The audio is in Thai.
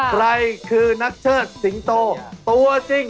ใครคือนักเชิดสิงโตตัวจริง